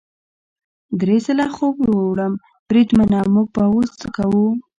درې ځله خوب یووړم، بریدمنه موږ به اوس څه کوو؟